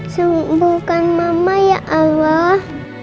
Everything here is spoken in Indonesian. sembukkan mama ya allah